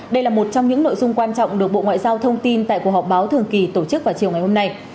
đây là một trong những nội dung quan trọng được bộ ngoại giao thông tin tại cuộc họp báo thường kỳ tổ chức vào chiều ngày hôm nay